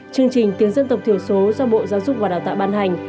chương trình tiếng dân tộc thiểu số do bộ giáo dục và đào tạo ban hành